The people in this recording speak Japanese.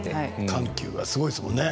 緩急がすごいですよね。